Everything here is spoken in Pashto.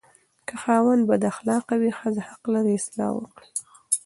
که خاوند بداخلاقه وي، ښځه حق لري اصلاح وکړي.